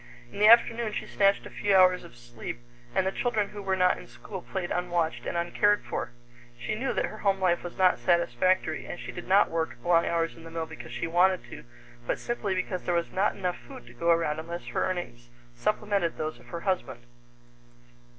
In the afternoon she snatched a few hours of sleep, and the children who were not in school played unwatched and uncared for. She knew that her home life was not satisfactory, and she did not work long hours in the mill because she wanted to, but simply because there was not enough food to go around unless her earnings supplemented those of her husband.